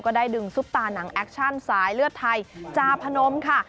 ได้ดึงซุปตาหนังแอคชั่นสายเลือดไทยจาพนมค่ะ